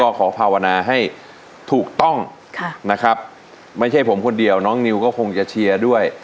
ก็ขอภาวนาให้ถูกต้องนะครับไม่ใช่ผมคนเดียวน้องนิวก็คงจะเชียร์ด้วย